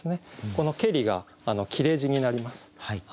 この「けり」が切れ字になります。